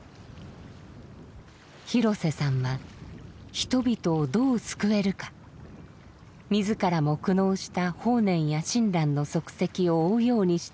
廣瀬さんは人々をどう救えるか自らも苦悩した法然や親鸞の足跡を追うようにして家を出ます。